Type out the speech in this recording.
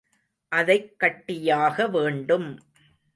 அதைக் கட்டியாக வேண்டும்.